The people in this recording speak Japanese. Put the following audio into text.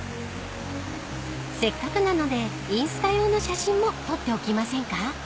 ［せっかくなのでインスタ用の写真も撮っておきませんか？］